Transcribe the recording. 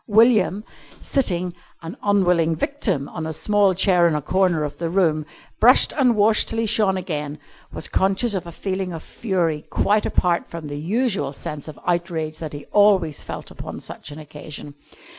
William, sitting, an unwilling victim, on a small chair in a corner of the room, brushed and washed till he shone again, was conscious of a feeling of fury quite apart from the usual sense of outrage that he always felt upon such an occasion.